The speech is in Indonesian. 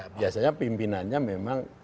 biasanya pimpinannya memang